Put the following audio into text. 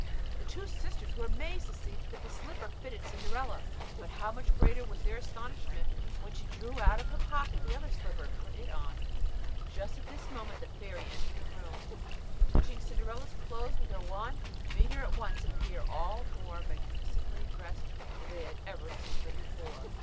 The two sisters were amazed to see that the slipper fitted Cinderella; but how much greater was their astonishment when she drew out of her pocket the other slipper and put it on! Just at this moment the fairy entered the room, and touching Cinderella's clothes with her wand, made her all at once appear more magnificently dressed than they had ever seen her before.